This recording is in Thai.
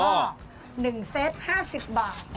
๑เซต๕๐บาท